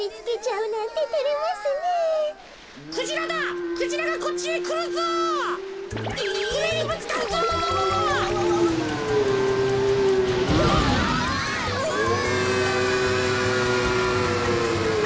うわ！